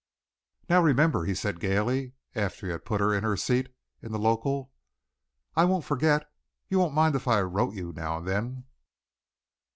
"Now remember!" he said gaily, after he had put her in her seat in the local. "I won't forget." "You wouldn't mind if I wrote you now and then?"